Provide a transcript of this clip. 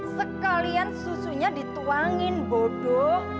sekalian susunya dituangin bodo